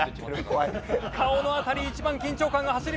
顔の辺り一番緊張感が走ります。